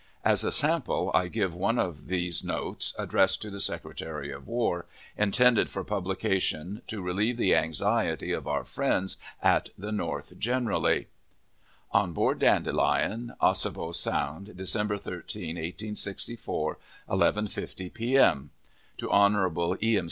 As a sample, I give one of these notes, addressed to the Secretary of War, intended for publication to relieve the anxiety of our friends at the North generally: ON BOARD DANDELION, OSSABAW SOUND, December 13, 1864 11.50 p.m. To Hon. E. M.